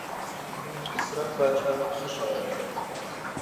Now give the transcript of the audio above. اسرار باچا ښه شاعر دئ.